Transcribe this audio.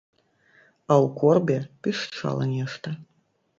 А ў корбе пішчала нешта.